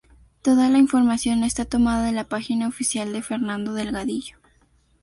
Toda la información está tomada de la página oficial de Fernando Delgadillo.